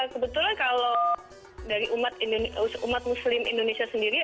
kebetulan kalau dari umat muslim indonesia sendiri